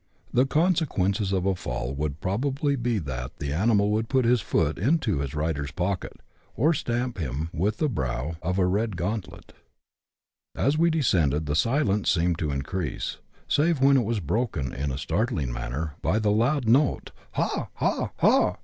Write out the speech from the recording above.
The consequences of a fall would probably be that the animal would put his foot into his rider's pocket, or stamp him with tlie brow of a Red gauntlet. As we descended, the silence seemed to increase, save when it was broken, in a startling manner, by the loud note, ha ! ha ! ha